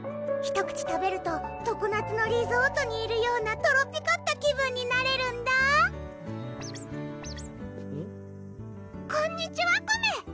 １口食べると常夏のリゾートにいるようなトロピカった気分になれるんだこんにちはコメ！